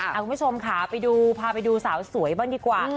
คุณผู้ชมค่ะไปดูพาไปดูสาวสวยบ้างดีกว่า